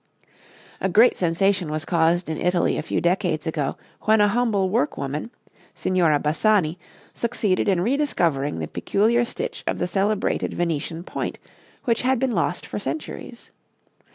A great sensation was caused in Italy a few decades ago when a humble workwoman, Signora Bassani, succeeded in rediscovering the peculiar stitch of the celebrated Venetian point, which had been lost for centuries.